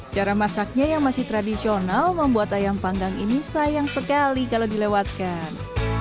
cara masaknya yang masih tradisional membuat ayam panggang ini sayang sekali kalau dilewatkan